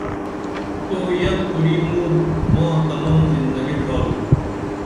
تو یت کُری موں ماں تمم زندگی ڇھارُم